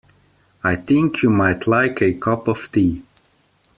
I think you might like a cup of tea.